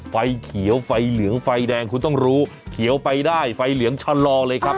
ไฟเขียวไฟเหลืองไฟแดงคุณต้องรู้เขียวไปได้ไฟเหลืองชะลอเลยครับ